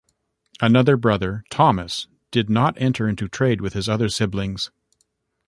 Another brother, Thomas, did not enter into trade with his other siblings.